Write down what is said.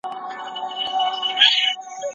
د یووالي ټینګار و